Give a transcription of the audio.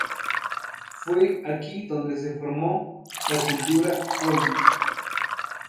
Fue aquí donde se formó la cultura Colli.